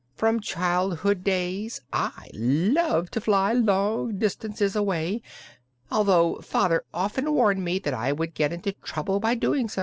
From childhood days I loved to fly long distances away, although father often warned me that I would get into trouble by so doing.